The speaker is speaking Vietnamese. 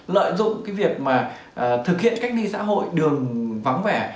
lợi dụng việc thực hiện cách ly xã hội đường vắng vẻ